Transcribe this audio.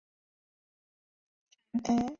吉福利则鼓励皮耶尔乔治举办个人作品展。